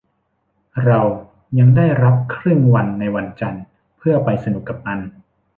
เรายังได้รับครึ่งวันในวันจันทร์เพื่อไปสนุกกับมัน